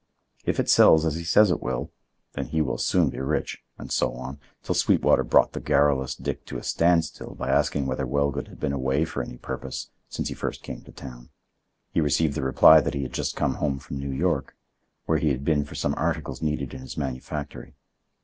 If it sells as he says it will—then he will soon be rich: and so on, till Sweetwater brought the garrulous Dick to a standstill by asking whether Wellgood had been away for any purpose since he first came to town. He received the reply that he had just come home from New York, where he had been for some articles needed in his manufactory.